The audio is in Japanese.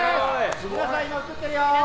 皆さん、今映ってるよー！